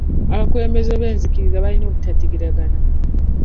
Abakulembeze b'enzikiriza balina obutategeeragana.